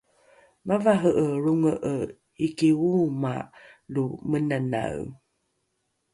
mavare’e lronge’e iki ooma lo menanae